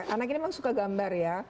anak ini memang suka gambar ya